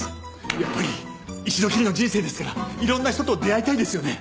やっぱり一度きりの人生ですからいろんな人と出会いたいですよね。